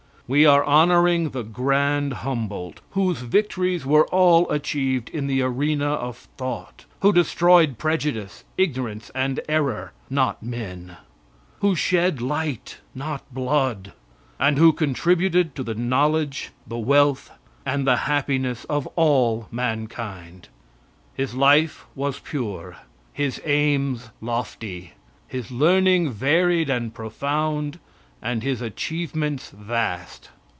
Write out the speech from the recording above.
We are honoring the grand Humboldt, whose victories were all achieved in the arena of thought; who destroyed prejudice, ignorance and error not men: who shed light not blood, and who contributed to the knowledge, the wealth and the happiness of all mankind. His life was pure, his aims lofty, his learning varied and profound, and his achievements vast.